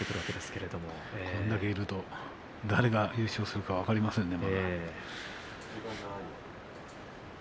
これだけいると誰が優勝するか分かりませんね。